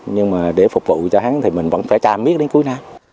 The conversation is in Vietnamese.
nhưng mà để phục vụ cho hắn thì mình vẫn phải chạm biết đến cuối năm